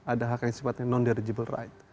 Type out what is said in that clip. ada hak yang sifatnya non derigible right